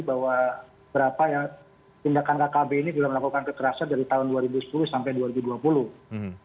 bahwa berapa tindakan kkb ini juga melakukan kekerasan dari tahun dua ribu sepuluh sampai dua ribu dua puluh